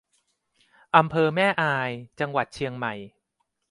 อำเภอแม่อาย จังหวัดเชียงใหม่